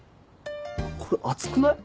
これ熱くない？